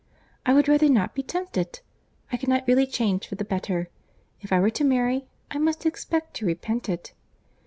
I would rather not be tempted. I cannot really change for the better. If I were to marry, I must expect to repent it."